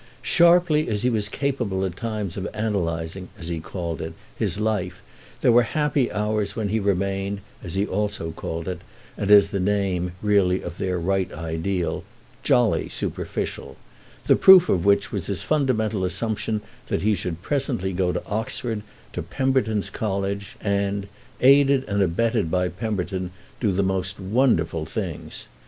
Sharply as he was capable at times of analysing, as he called it, his life, there were happy hours when he remained, as he also called it—and as the name, really, of their right ideal—"jolly" superficial; the proof of which was his fundamental assumption that he should presently go to Oxford, to Pemberton's college, and, aided and abetted by Pemberton, do the most wonderful things.